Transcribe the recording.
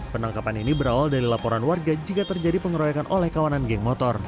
penangkapan ini berawal dari laporan warga jika terjadi pengeroyokan oleh kawanan geng motor